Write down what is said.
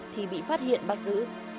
thì bị phát hiện bắt giữ